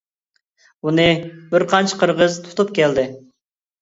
بۇنى بىر قانچە قىرغىز تۇتۇپ كەلدى.